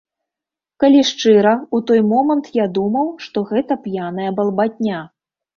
Калі шчыра, у той момант я думаў, што гэта п'яная балбатня.